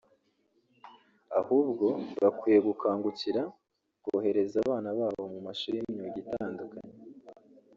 ahubwo bakwiye gukangukira kohereza abana babo mu mashuri y’imyuga itandukanye